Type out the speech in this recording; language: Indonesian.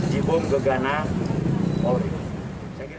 yang diperlukan oleh petugas kepolisian